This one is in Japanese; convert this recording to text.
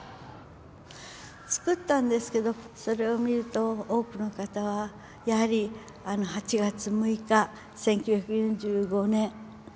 作ったんですけどそれを見ると多くの方はやはり８月６日１９４５年を思い出す。